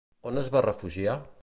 On es va refugiar?